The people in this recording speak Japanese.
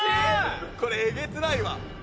これえげつないわ。